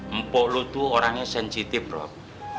empok lu tuh orangnya sensitif rok